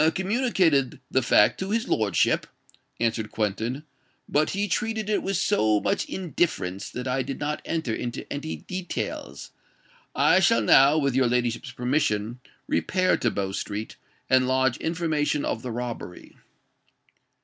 "I communicated the fact to his lordship," answered Quentin; "but he treated it with so much indifference, that I did not enter into any details. I shall now, with your ladyship's permission, repair to Bow Street, and lodge information of the robbery."